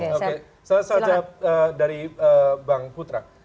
oke saya soal jawab dari bang putra